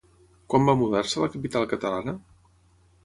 Quan va mudar-se a la capital catalana?